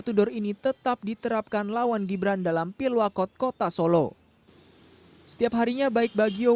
to door ini tetap diterapkan lawan gibran dalam pilwa kot kota solo setiap harinya baik bagi oh